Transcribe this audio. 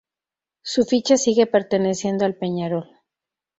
Su ficha sigue perteneciendo al Peñarol.